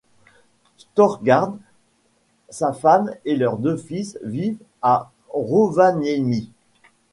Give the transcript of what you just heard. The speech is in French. Storgårds, sa femme et leurs deux fils vivent à Rovaniemi.